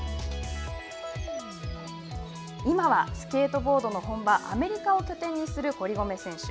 今はスケートボードの本場アメリカを拠点にする堀米選手。